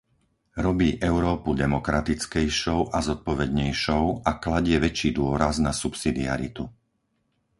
Robí Európu demokratickejšou a zodpovednejšou a kladie väčší dôraz na subsidiaritu.